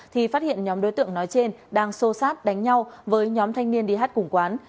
thì phát hiện nhóm đối tượng nói trên đang xô sát đánh nhau với nhóm thanh niên đi hát cùng quán